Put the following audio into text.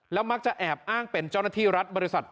มักจะแอบอ้างเป็นเจ้าหน้าที่รัฐบริษัท